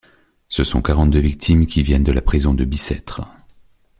Ce sont quarante-deux victimes qui viennent de la prison de Bicêtre.